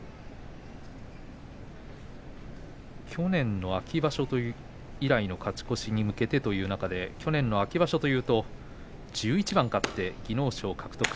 去年の秋場所以来の勝ち越しに向けてという中で去年の秋場所というと１１番勝って技能賞を獲得。